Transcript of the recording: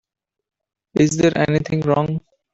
Is there anything wrong?